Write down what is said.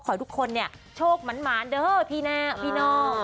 ขอให้ทุกคนเนี่ยโชคหมานเด้อพี่แน่พี่น้อง